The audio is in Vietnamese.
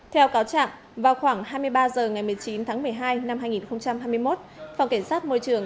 theo cáo trạng vào khoảng hai mươi ba h ngày một mươi chín tháng một mươi hai năm hai nghìn hai mươi một phòng kiểm sát môi trường